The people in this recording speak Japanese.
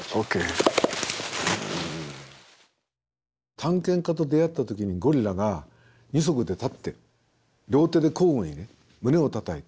探検家と出会った時にゴリラが２足で立って両手で交互にね胸をたたいた。